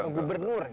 atau gubernur gitu